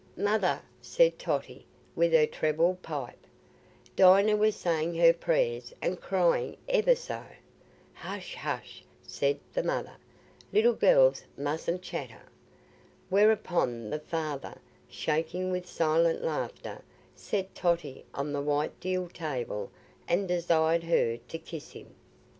"Mother," said Totty, with her treble pipe, "Dinah was saying her prayers and crying ever so." "Hush, hush," said the mother, "little gells mustn't chatter." Whereupon the father, shaking with silent laughter, set Totty on the white deal table and desired her to kiss him.